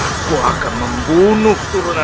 aku akan mencari dia